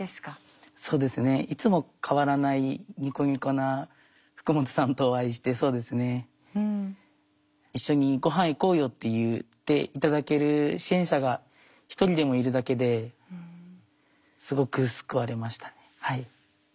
そうですねいつも変わらないニコニコな福本さんとお会いしてそうですね「一緒にごはん行こうよ」って言って頂ける支援者が一人でもいるだけですごく救われましたね。